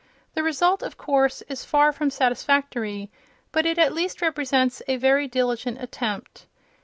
The result, of course, is far from satisfactory, but it at least represents a very diligent attempt.